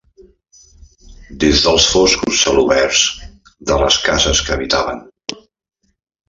Des dels foscos celoberts de les cases que habitaven